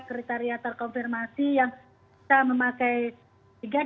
kriteria terkonfirmasi yang bisa memakai tiga